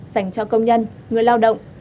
dành cho công nhân người lao động